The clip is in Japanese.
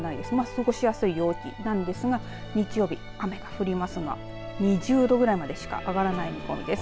過ごしやすい陽気なんですが日曜日、雨が降りますが２０度ぐらいまでしか上がらない見込みです。